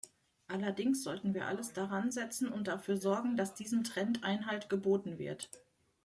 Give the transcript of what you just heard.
Allerdings sollten wir alles daransetzen und dafür sorgen, dass diesem Trend Einhalt geboten wird.